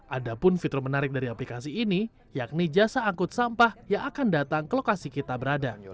ada pun fitur menarik dari aplikasi ini yakni jasa angkut sampah yang akan datang ke lokasi kita berada